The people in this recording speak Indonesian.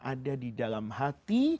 ada di dalam hati